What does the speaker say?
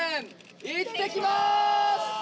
行ってきます。